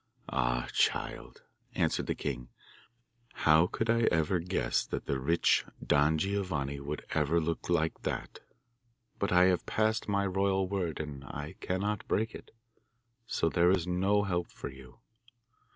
'Ah, child,' answered the king, 'how could I ever guess that the rich Don Giovanni would ever look like that? But I have passed my royal word, and I cannot break it, so there is no help for you.